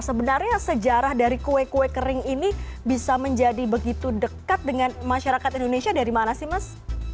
sebenarnya sejarah dari kue kue kering ini bisa menjadi begitu dekat dengan masyarakat indonesia dari mana sih mas